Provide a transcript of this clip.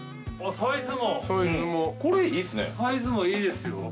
サイズもいいですよ。